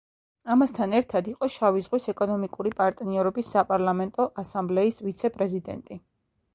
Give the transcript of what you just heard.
ამასთან ერთად იყო შავი ზღვის ეკონომიკური პარტნიორობის საპარლამენტო ასამბლეის ვიცე-პრეზიდენტი.